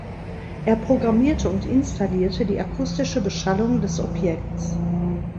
Er programmierte und installierte die akustische Beschallung des Objekts.